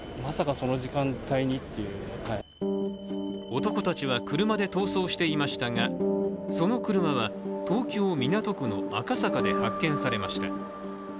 男たちは車で逃走していましたがその車は東京・港区の赤坂で発見されました。